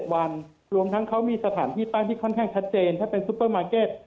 วันรวมทั้งเขามีสถานที่ตั้งที่ค่อนข้างชัดเจนถ้าเป็นซุปเปอร์มาร์เก็ต